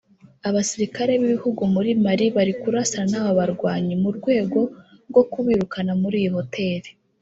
Abasirikare b’igihugu muri Mali bari kurasana n’aba barwanyi mu rwego rwo kubirukana muri iyi hotel